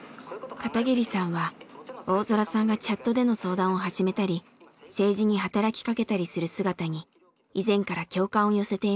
片桐さんは大空さんがチャットでの相談を始めたり政治に働きかけたりする姿に以前から共感を寄せていました。